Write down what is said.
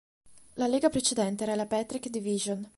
La lega precedente era la Patrick Division.